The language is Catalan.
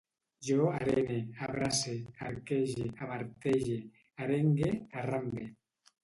Jo arene, abrace, arquege, amartelle, arengue, arrambe